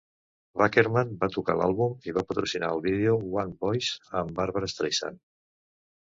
Wackerman va tocar l'àlbum i va patrocinar el vídeo "One Voice" amb Barbra Streisand.